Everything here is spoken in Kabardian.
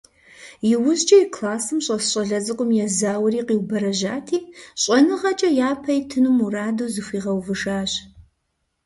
Иужькӏэ и классым щӏэс щӏалэ цӏыкӏум езауэри, къиубэрэжьати, щӏэныгъэкӏэ япэ итыну мураду зыхуигъэувыжащ.